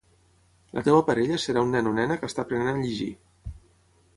La teva parella serà un nen o nena que està aprenent a llegir.